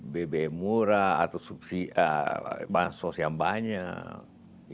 bb murah atau bahan sosial yang banyak